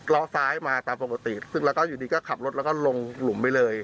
ล้อซ้ายมาตามปกติซึ่งแล้วก็อยู่ดีก็ขับรถแล้วก็ลงหลุมไปเลย